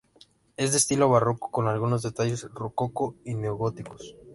Es de estilo barroco, con algunos detalles rococó y neogóticos.